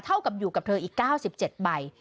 เท่ากับอยู่กับเธออีก๙๗ใบ